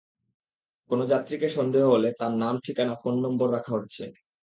কোনো যাত্রীকে সন্দেহ হলে তাঁর নাম, ঠিকানা, ফোন নম্বর রাখা হচ্ছে।